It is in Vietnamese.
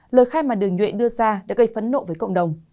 lời khai mà đường nhuệ đưa ra đã gây phấn nộ với cộng đồng